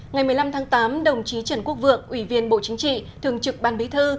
ngày một mươi năm tháng tám đồng chí trần quốc vượng ủy viên bộ chính trị thường trực ban bí thư